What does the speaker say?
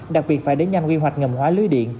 đặc biệt phải đến nhanh quy hoạch ngầm hóa lưới điện